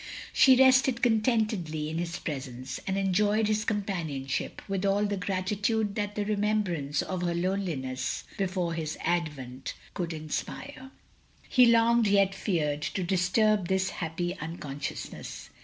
She rested contentedly in his presence, and enjoyed his companionship, with all the gratitude that the remembrance of her loneliness before his advent, could inspire. He longed, yet feared, to disturb this happy unconsciousness.